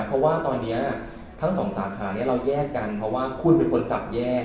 เพราะว่าตอนนี้ทั้งสองสาขานี้เราแยกกันเพราะว่าคุณเป็นคนจับแยก